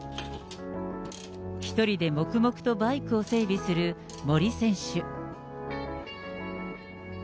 １人で黙々とバイクを整備する森選手。